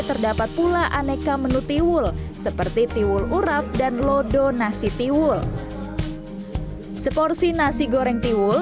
terdapat pula aneka menu tiwul seperti tiwul urap dan lodo nasi tiwul seporsi nasi goreng tiwul